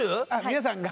皆さんが？